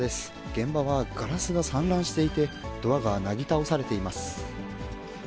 現場はガラスが散乱していてドアがなぎ倒されています。